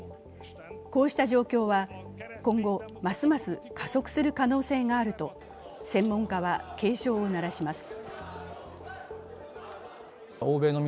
こうした状況は今後ますます加速する可能性があると専門家は警鐘を鳴らします。